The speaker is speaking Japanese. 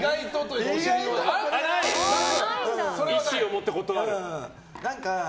意思を持って断る？